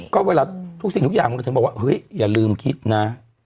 ก็เวลาทุกสิ่งทุกอย่างมันก็ถึงบอกว่าเฮ้ยอย่าลืมคิดนะ